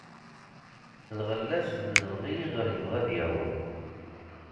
Lɣella-s d lebɣi iɣer yebɣa ad yaweḍ.